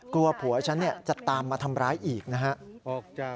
กลัวผัวฉันจะตามมาทำร้ายอีกนะครับ